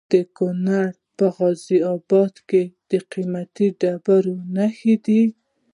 د کونړ په غازي اباد کې د قیمتي ډبرو نښې دي.